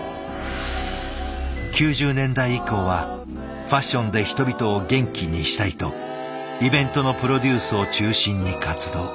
９０年代以降はファッションで人々を元気にしたいとイベントのプロデュースを中心に活動。